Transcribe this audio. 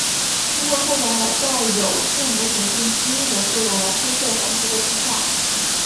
通过后代带有父母显性基因的数量来推测繁殖的成效。